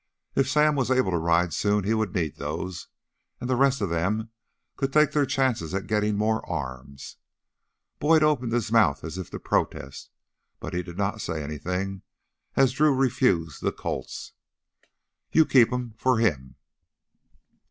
If Sam was able to ride soon, he would need those. And the rest of them could take their chances at getting more arms. Boyd opened his mouth as if to protest, but he did not say anything as Drew refused the Colts. "You keep 'em for him."